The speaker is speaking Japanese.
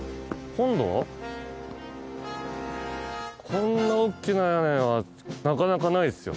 こんなおっきな屋根はなかなかないですよ。